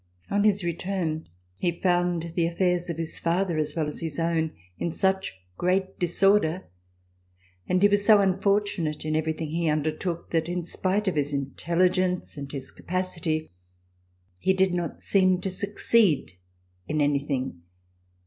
On his return he found the affairs of his father, as well as his own, in such great disorder, and he was so unfortunate in everything he undertook, that in spite of his intelligence and his capacity, he did not seem to succeed in anything.